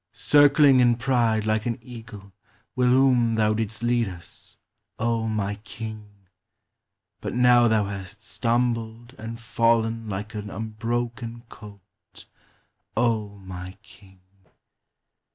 Circling in pride like an eagle whilom thou didst lead us, O my King! But now thou hast stumbled and fallen like an unbroken colt, O my King!